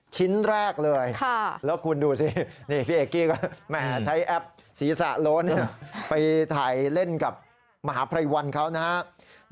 ชิ้นแรกเลยแล้วคุณดูสินี่พี่เอกกี้ก็แหมใช้แอปศีรษะโล้นไปถ่ายเล่นกับมหาภัยวันเขานะครับ